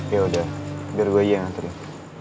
yaudah biar gue aja yang nganterin